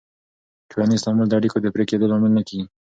ټولنیز تعامل د اړیکو د پرې کېدو لامل نه کېږي.